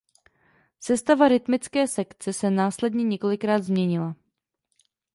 Sestava rytmické sekce se následně několikrát změnila.